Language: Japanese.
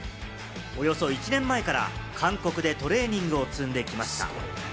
およそ１年前から韓国でトレーニングを積んできました。